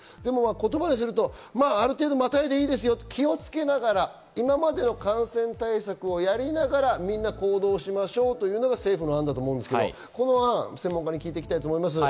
言葉にするとある程度またいでもいいですよ、気をつけながら、今までの感染対策をやりながら行動をしましょうというのが政府の案だと思うんですけれども、この案を専門家に聞いていきたいと思います。